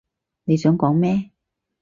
你想講咩？